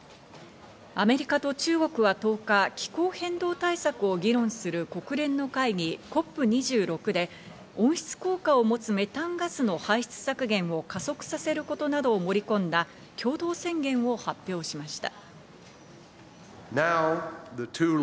アメリカと中国は１０日、気候変動対策を議論する国連の会議＝ＣＯＰ２６で温室効果をもつメタンガスの排出削減を加速させることなどを盛り込んだ共同宣言を発表しました。